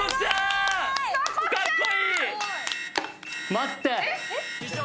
待って！